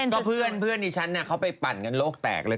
ก็เพื่อนเพื่อนที่ชั้นน่ะเขาไปปั่นกันโรคแตกเลย